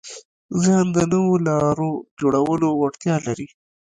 ذهن د نوو لارو جوړولو وړتیا لري.